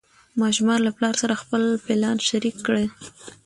ماشوم له پلار سره خپل پلان شریک کړ